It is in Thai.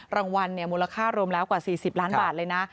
มูลค่ารวมแล้วกว่า๔๐ล้านบาทเลยนะ